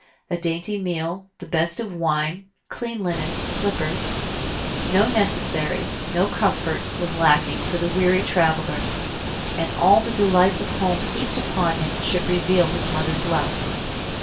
A dainty meal, the best of wine, clean linen, slippers no necessary, no comfort, was lacking for the weary traveler, and all the delights of home heaped upon him should reveal his mother's love.